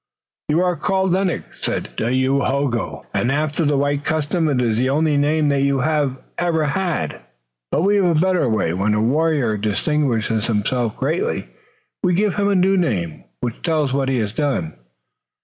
"You are called Lennox," said Dayohogo, "and after the white custom it is the only name that you have ever had, but we have a better way. When a warrior distinguishes himself greatly we give him a new name, which tells what he has done.